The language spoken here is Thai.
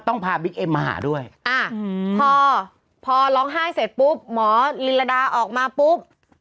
พาบิ๊กเอ็มมาหาด้วยอ่าพอพอร้องไห้เสร็จปุ๊บหมอลินระดาออกมาปุ๊บ